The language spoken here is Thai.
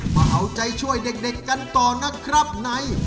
มาเอาใจช่วยเด็กกันต่อนะครับใน